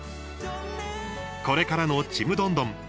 これからの「ちむどんどん」